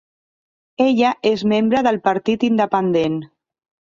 Ella és membre del Partit Independent.